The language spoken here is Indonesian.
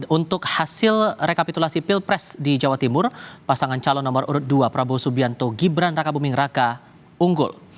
untuk hasil rekapitulasi pilpres di jawa timur pasangan calon nomor urut dua prabowo subianto gibran raka buming raka unggul